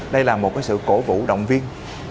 đây là một cái sự cổ vũ động viên